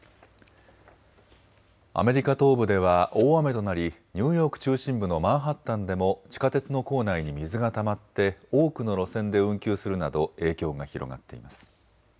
アメリカ東部では大雨となりニューヨーク中心部のマンハッタンでも地下鉄の構内に水がたまって多くの路線で運休するなど影響が広がっています。